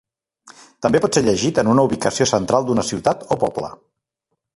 També pot ser llegit en una ubicació central d'una ciutat o poble.